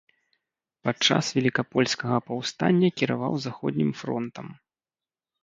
Падчас велікапольскага паўстання кіраваў заходнім фронтам.